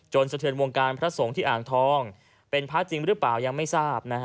สะเทือนวงการพระสงฆ์ที่อ่างทองเป็นพระจริงหรือเปล่ายังไม่ทราบ